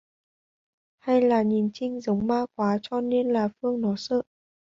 Hay là nhìn chinh giống ma quá cho nên là phương nó sợ